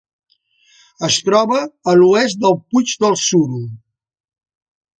Es troba a l'oest del Puig del Suro.